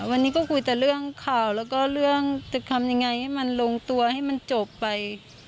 วันนี้ก็คุยแต่เรื่องข่าวแล้วก็เรื่องจะทำยังไงให้มันลงตัวให้มันจบไป